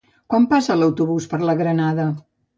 Quan passa l'autobús per la Granada?